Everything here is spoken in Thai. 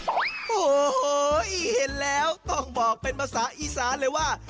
โอ้โหเห็นแล้วต้องบอกเป็นภาษาอีสานเลยว่า